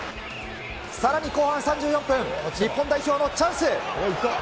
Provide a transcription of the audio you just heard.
さらに後半３４分、日本代表のチャンス。